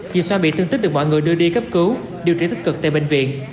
chị xoa bị thương tích được mọi người đưa đi cấp cứu điều trị tích cực tại bệnh viện